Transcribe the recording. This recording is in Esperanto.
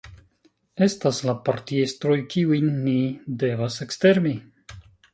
Estas la partiestroj, kiujn ni devas ekstermi.